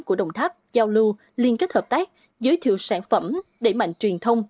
của đồng tháp giao lưu liên kết hợp tác giới thiệu sản phẩm đẩy mạnh truyền thông